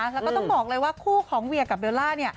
แล้วก็ต้องบอกเลยว่าคู่ของเวียกับเบลล่า